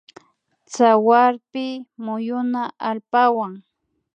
Tsawarpi muyuna allpawan